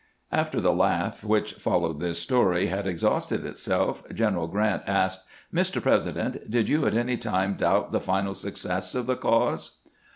After the laugh which followed this story had ex hausted itself, G eneral Grant asked: "Mr. President, did you at any time doubt the final success of the cause